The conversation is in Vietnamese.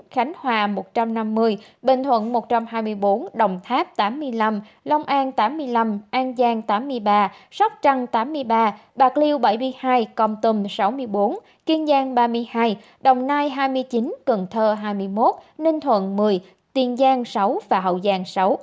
khánh hòa một trăm năm mươi bình thuận một trăm hai mươi bốn đồng tháp tám mươi năm long an tám mươi năm an giang tám mươi ba sóc trăng tám mươi ba bạc liêu bảy mươi hai con tâm sáu mươi bốn kiên giang ba mươi hai đồng nai hai mươi chín cần thơ hai mươi một ninh thuận một mươi tiền giang sáu và hậu giang sáu